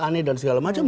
aneh dan segala macam